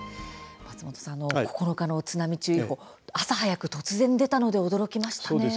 松本さん、９日の津波注意報朝早く突然出たので驚きましたね。